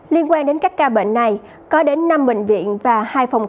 liên quan đến các ca bệnh này có đến năm bệnh viện và hai phòng khám tạm phong tỏa